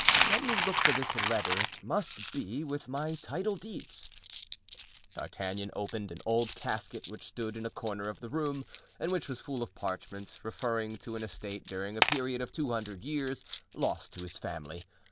Let me look for this letter; it must be with my title deeds." D'Artagnan opened an old casket which stood in a corner of the room, and which was full of parchments referring to an estate during a period of two hundred years lost to his family.